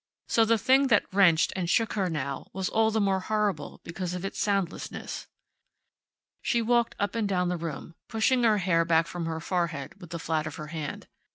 So the thing that wrenched and shook her now was all the more horrible because of its soundlessness. She walked up and down the room, pushing her hair back from her forehead with the flat of her hand.